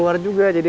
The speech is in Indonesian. makasih ya pak